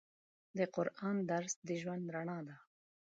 د قرآن درس د ژوند رڼا ده.